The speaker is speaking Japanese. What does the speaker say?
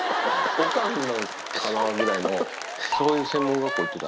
オカンなんかなぐらいの、そういう専門学校行ってた？